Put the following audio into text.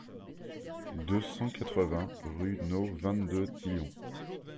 deux cent quatre-vingts rue No vingt-deux Dillon